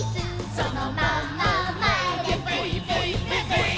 「そのまままえでブイブイブブイ」